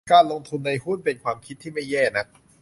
การลงทุนในหุ้น เป็นความคิดที่ไม่แย่นัก